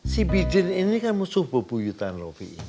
si bidin ini kan musuh bobo yutan lovi